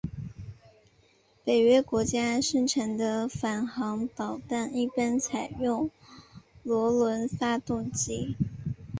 北约国家生产的反舰导弹一般采用涡轮发动机。